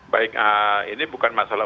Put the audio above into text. baik ini bukan masalah